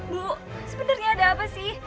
bu sebenarnya ada apa sih